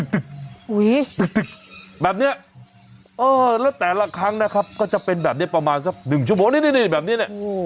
โอ้โหแบบเนี้ยเออแล้วแต่ละครั้งนะครับก็จะเป็นแบบนี้ประมาณสักหนึ่งชั่วโมงนี่แบบนี้เนี่ย